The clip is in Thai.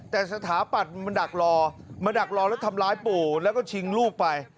แต่สถาปัตย์มาดักรอมาดักรอแล้วทำร้ายปู่แล้วก็ชิงลูกไป